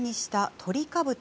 トリカブト？